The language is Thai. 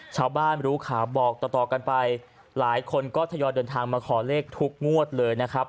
ชาวบ้านรู้ข่าวบอกต่อกันไปหลายคนก็ทยอยเดินทางมาขอเลขทุกงวดเลยนะครับ